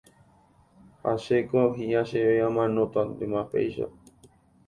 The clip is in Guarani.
Ha chéko hi'ã chéve amanótantema péicha